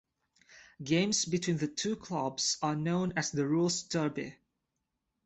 Games between these two clubs are known as the Rules derby.